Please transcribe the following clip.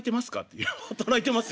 「いや働いてますよ。